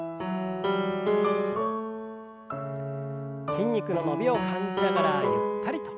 筋肉の伸びを感じながらゆったりと。